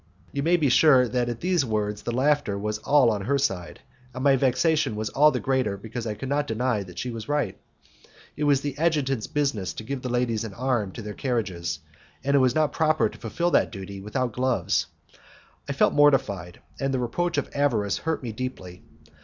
You may be sure that at these words the laughter was all on her side, and my vexation was all the greater because I could not deny that she was quite right. It was the adjutant's business to give the ladies an arm to their carriages, and it was not proper to fulfil that duty without gloves. I felt mortified, and the reproach of avarice hurt me deeply.